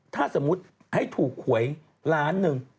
ถ้าสมมุติให้ถูกหวยล้านหนึ่ง